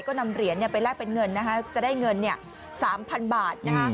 ก็นำเหรียญไปแลกเป็นเงินนะคะจะได้เงิน๓๐๐๐บาทนะคะ